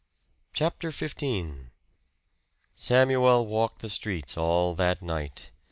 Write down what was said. CHAPTER XV Samuel walked the streets all that night.